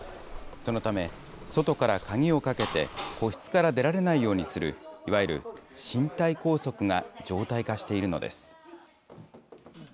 そのため、外から鍵をかけて、個室から出られないようにする、いわゆる身体拘束が常態化しているのです。